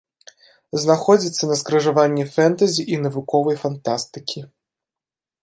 Знаходзіцца на скрыжаванні фэнтэзі і навуковай фантастыкі.